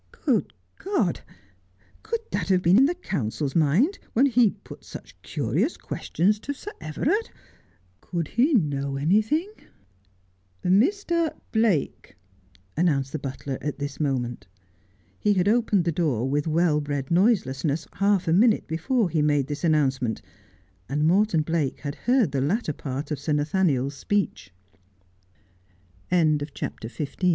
Good CS od ! could that have been in the counsel's mind when he put such curious questions to Sir Everard — could he know anything '' Mr. Blake,' announced the butler at this moment. He had opened the door with well bred noiselessness half a minute before lie made this announcement, and Morton Blake had heard the latter part o